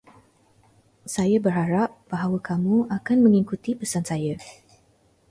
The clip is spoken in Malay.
Saya berharap bahawa kamu akan mengikuti pesan saya.